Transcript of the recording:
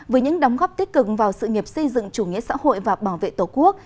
với những đóng góp tích cực vào sự nghiệp xây dựng chủ nghĩa xã hội và bảo vệ tổ quốc